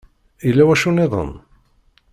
Yella wacu-nniden?